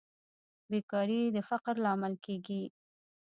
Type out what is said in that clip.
بیکاري د فقر لامل کیږي